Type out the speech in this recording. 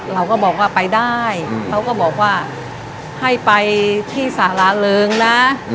เราก็บอกว่าไปได้เขาก็บอกว่าให้ไปที่สาระเริงนะ